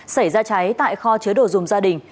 xảy ra cháy tại kho chứa đồ dùng gia đình